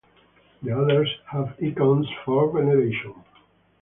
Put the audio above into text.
The others have icons for veneration.